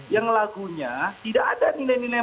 yang lagunya tidak ada nilai nilai